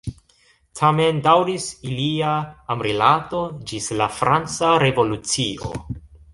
Tamen daŭris ilia amrilato ĝis la franca revolucio.